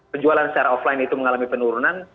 penjualan secara offline itu mengalami penurunan